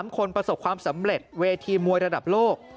๓คนประสบความสำเร็จเวทีมวยระดับโลก